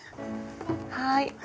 はい。